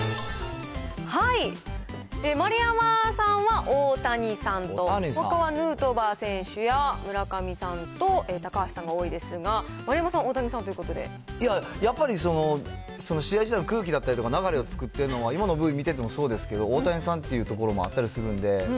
はい、丸山さんは、大谷さんと。ほかはヌートバー選手や、村上さんと高橋さんが多いですが、丸山さん、大谷さんということいや、やっぱり、試合自体の空気だったりとか、流れを作ってるのは、今のＶ見ててもそうですけど、大谷さんっていうところも、あったりするんで。